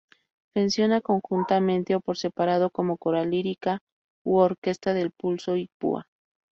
Funciona conjuntamente o por separado como coral lírica u orquesta de pulso y púa.